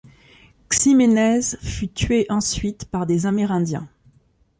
Ximénez fut tué ensuite par des amérindiens.